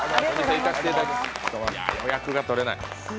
予約が取れない。